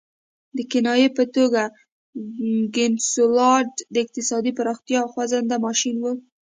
د کنایې په توګه کنسولاډو د اقتصادي پراختیا خوځنده ماشین وو.